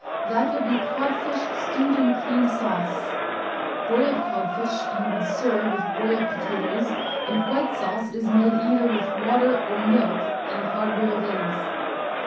That will be codfish stewed in cream sauce. Boiled codfish you would serve with boiled potatoes, and the white sauce is made either with water or milk and hard boiled eggs.